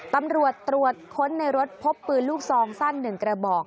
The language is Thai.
ตำรวจตรวจค้นในรถพบปืนลูกซองสั้น๑กระบอก